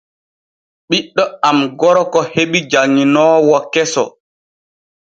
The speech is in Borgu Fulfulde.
Ɓiɗɗo am gorko heɓi janŋinoowo keso.